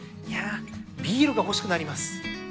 いやビールが欲しくなります。